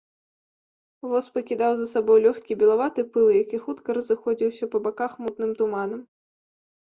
Воз пакідаў за сабою лёгкі белаваты пыл, які хутка разыходзіўся па баках мутным туманам.